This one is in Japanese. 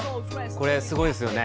これすごいですよね。